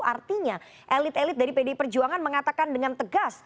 artinya elit elit dari pdi perjuangan mengatakan dengan tegas